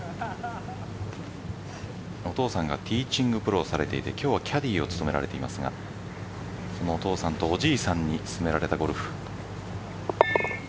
お父さんがティーチングプロされていて今日はキャディーを務められていますがお父さんとおじいさんに勧められたゴルフ。